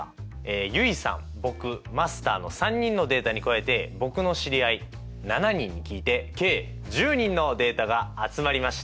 結衣さん僕マスターの３人のデータに加えて僕の知り合い７人に聞いて計１０人のデータが集まりました！